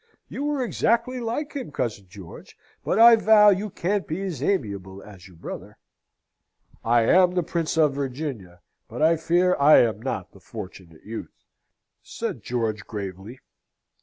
You are exactly like him, cousin George, but I vow you can't be as amiable as your brother!" "I am the Prince of Virginia, but I fear I am not the Fortunate Youth," said George, gravely.